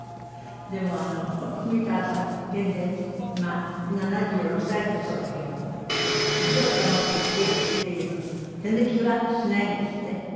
でも美川さん現在７６歳だそうだけども美を保つ秘訣っていうの手抜きはしないんですって？